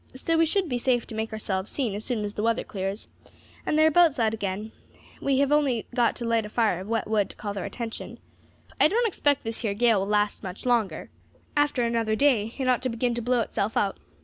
Still, we shall be safe to make ourselves seen as soon as the weather clears, and there are boats out again; we have only got to light a fire of wet wood to call their attention. I don't expect this here gale will last much longer; after another day it ought to begin to blow itself out.